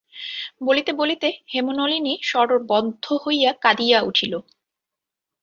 বলিতে বলিতে হেমনলিনী স্বরবদ্ধ হইয়া কাঁদিয়া উঠিল।